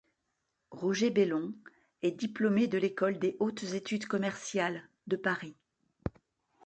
Roger Bellon est diplômé de l'École des hautes études commerciales de Paris.